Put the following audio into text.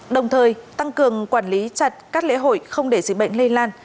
đồng thời tăng cường quản lý chặt các lễ hội không để dịch bệnh lây lan